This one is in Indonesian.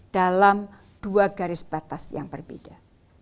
dalam dua garis batas yang berbeda